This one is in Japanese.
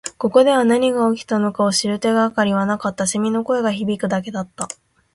ここで何が起きたのかを知る手がかりはなかった。蝉の声が響くだけだった。